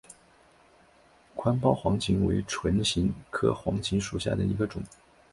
宽苞黄芩为唇形科黄芩属下的一个种。